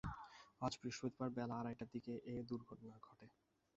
আজ বৃহস্পতিবার বেলা আড়াইটার দিকে এ দুর্ঘটনা ঘটে।